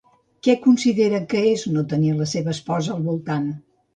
Què considera que és no tenir la seva esposa al voltant?